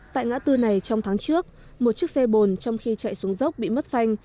tại ngã tư này trong tháng trước một chiếc xe bồn trong khi chạy xuống dốc bị mất phanh